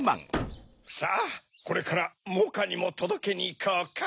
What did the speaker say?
さぁこれからモカにもとどけにいこうか。